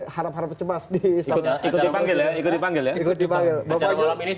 harap harap cemas di istana ikut dipanggil ya ikut dipanggil ya ikut dipanggil ini